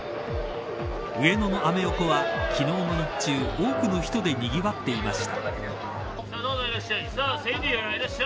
上野のアメ横は昨日の日中多くの人でにぎわっていました。